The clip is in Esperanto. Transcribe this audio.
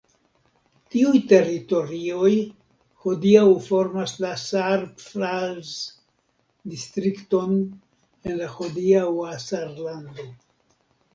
Tiuj teritorioj hodiaŭ formas la Saarpfalz-distrikton en la hodiaŭa Sarlando.